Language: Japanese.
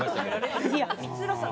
光浦さん